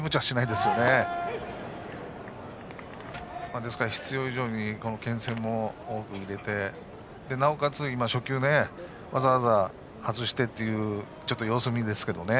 ですから必要以上にけん制も多く入れてなおかつ、今も初球わざわざ外してというちょっと様子見ですけどね。